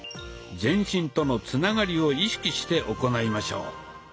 全身とのつながりを意識して行いましょう。